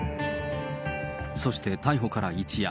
そして逮捕から一夜。